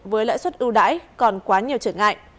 với lãi suất ưu đãi còn quá nhiều trở ngại